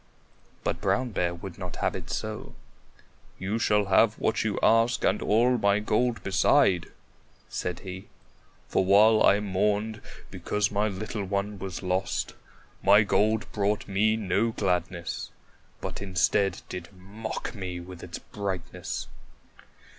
But Brown Bear would not have it so. "You shall have what you ask and all my gold beside," said he. "For while I mourned because my little one was lost, my gold brought me no gladness, but instead did mock me with its brightness."